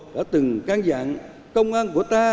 đã từng can dạng công an của ta